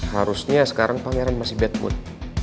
harusnya sekarang pangeran masih bad mood